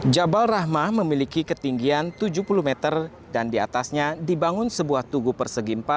jabal rahma memiliki ketinggian tujuh puluh meter dan diatasnya dibangun sebuah tugu persegi empat